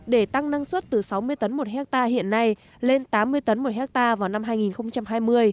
để tăng năng suất từ sáu mươi tấn một hectare hiện nay lên tám mươi tấn một hectare vào năm hai nghìn hai mươi